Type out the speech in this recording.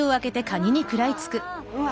うわ。